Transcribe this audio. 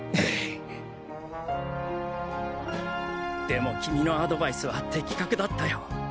でも君のアドバイスは的確だったよ。